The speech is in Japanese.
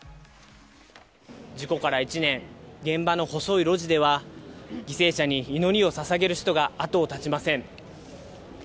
事故から１年、現場の細い路地では、犠牲者に祈りをささげる人が後を絶ちません。